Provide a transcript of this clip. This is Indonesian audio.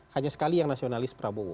hanya sekali yang nasionalis prabowo